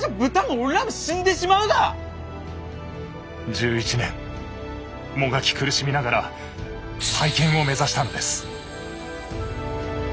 １１年もがき苦しみながら再建を目指したのです。